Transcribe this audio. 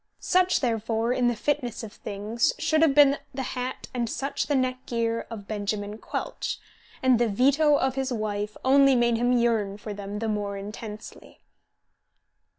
Such, therefore, in the fitness of things, should have been the hat and such the neck gear of Benjamin Quelch, and the veto of his wife only made him yearn for them the more intensely.